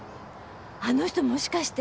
あの人もしかして。